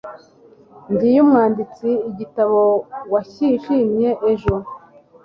ngiyo umwanditsi igitabo washimye ejo